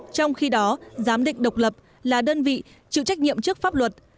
trong khi đó giám định độc lập là đơn vị chịu trách nhiệm trước pháp luật